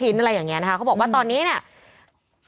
เกือบทุกชิ้นอะไรอย่างเงี้ยนะคะเค้าบอกว่าตอนนี้เนี่ย